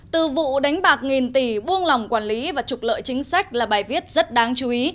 từ vụ đánh bạc nghìn tỷ buông lòng quản lý và trục lợi chính sách là bài viết rất đáng chú ý